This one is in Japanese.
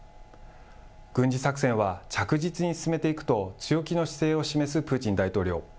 軍事作戦は着実に進めていくと、強気の姿勢を示すプーチン大統領。